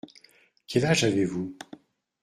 Quel âge avez-vous ?